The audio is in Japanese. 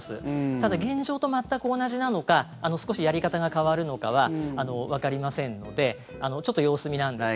ただ、現状と全く同じなのか少しやり方が変わるのかはわかりませんのでちょっと様子見なんですね。